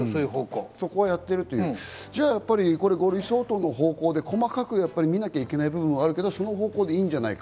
じゃあ、５類相当の方向で細かく見なきゃいけない部分があるけど、その方向でいいんじゃないか。